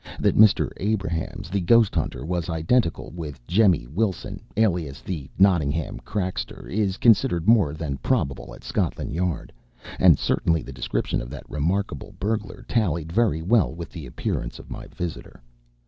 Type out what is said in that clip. That Mr. Abrahams, the ghost hunter, was identical with Jemmy Wilson, alias the Nottingham crackster, is considered more than probable at Scotland Yard, and certainly the description of that remarkable burglar tallied very well with the appearance of my visitor.